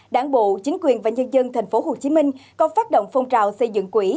đảng bộ chính quyền và nhân dân thành phố hồ chí minh còn phát động phong trào xây dựng quỹ